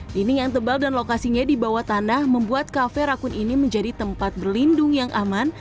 dinding yang tebal dan lokasinya di bawah tanah membuat kafe rakun ini menjadi tempat berlindung yang aman